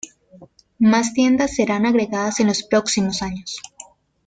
Mas tiendas serán agregadas en los próximos años.